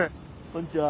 こんにちは。